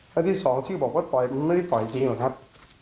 ครั้งที่สองที่บอกว่าต่อยมันไม่ได้ต่อยจริงหรอกครับ